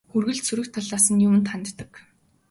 Үргэлж сөрөг талаас нь юманд ханддаг.